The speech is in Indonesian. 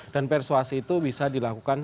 dan persuasi itu bisa dilakukan